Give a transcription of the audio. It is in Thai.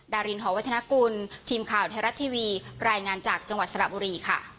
ดารินหอวัฒนกุลทีมข่าวไทยรัฐทีวีรายงานจากจังหวัดสระบุรีค่ะ